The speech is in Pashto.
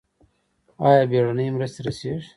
آیا بیړنۍ مرستې رسیږي؟